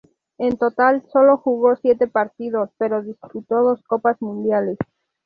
En total solo jugó siete partidos, pero disputó dos Copas mundiales.